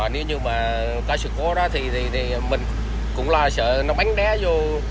nếu như mà có sự cố đó thì mình cũng lo sợ nó bánh bé vô